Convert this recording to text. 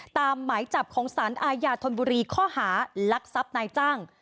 หมายจับของสารอาญาธนบุรีข้อหารักทรัพย์นายจ้าง